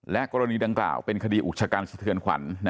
และกรณีดังกล่าวเป็นคดีอุชกรรมสิทธิ์เทือนขวัญ